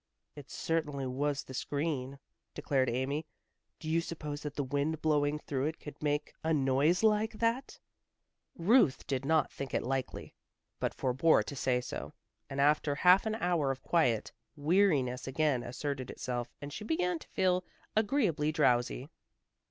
"It certainly was the screen," declared Amy. "Do you suppose that the wind blowing through it could make a noise like that?" Ruth did not think it likely, but forbore to say so, and after half an hour of quiet, weariness again asserted itself and she began to feel agreeably drowsy.